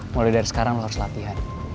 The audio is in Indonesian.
mulai dari sekarang harus latihan